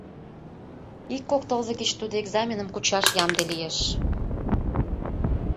Ик кок тылзе гыч тудо экзаменым кучаш ямде лиеш.